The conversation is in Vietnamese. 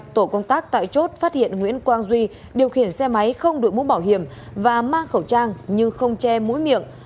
tổ công tác tại chốt phát hiện nguyễn quang duy điều khiển xe máy không đội mũ bảo hiểm và mang khẩu trang nhưng không che mũi miệng